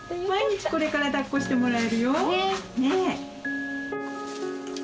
毎日これからだっこしてもらえるよ。ね！